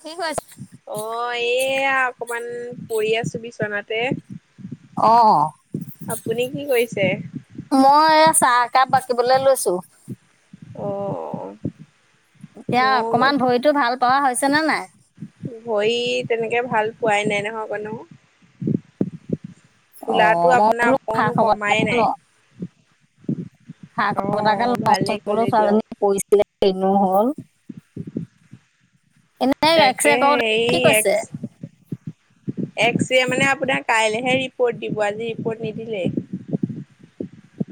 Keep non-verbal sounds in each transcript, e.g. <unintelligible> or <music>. কি কৈছ অ এইয়া অকমান পৰি আছো বিচনাতে। অ অ আপুনি কি কৰিছে? মই এই চাহ একাপ বাকিবলৈ লৈছো অ' এতিয়া মোৰ অকমান ভৰিতো ভাল পোৱা হৈছে নে নাই ভৰি তেনেকে ভাল পোৱাই নাই নহয় একনো অ খোলাটো মই আপোনাৰ বোলো খা অকণো খবৰ কমাই এটাকে নাই লওঁ খা অ খতাকে ভালেই নচলৈ কৰিলে দিয়ক ছোৱজনী পৰিছিলে হনো হ'ল এনে এক্স ৰে তাকে কৰোতে এই কি এক কৈছে এক্সৰে মানে আপোনাৰ কাইলেহে ৰিপৰ্ট দিব আজি ৰিপৰ্ট নিদিলে।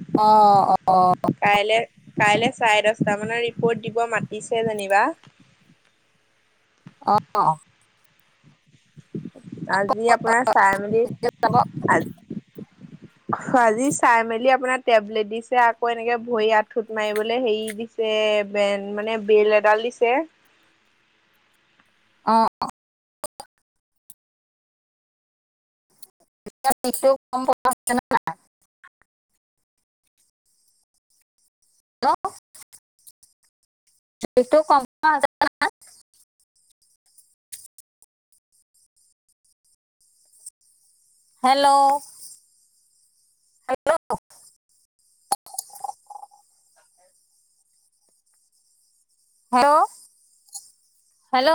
অ অ অ অ কাই চাৰে দশটা মানৰ ৰিপৰ্ট দিব মাতিছে যেনিবা অ আজি আপোনাৰ চাই মেলি <inaudible> আজি চাই মেলি আপোনাৰ টেবলেট দিছে আকৌ এনেকে ভই আঠুত মাৰিবলৈ হেই দিছ ছে বেন মানে বেল এডাল দিছে অ এতিয়া সেইটো কম পইচা হৈছে নে নাই ন <unintelligible> হেল্ল' হেল্ল' হেল্ল' হেল্ল'